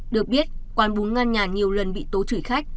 được biết quán bún ngăn nhàn nhiều lần bị tố chửi khách